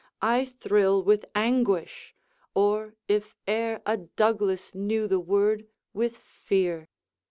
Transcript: I thrill with anguish! or, if e'er A Douglas knew the word, with fear.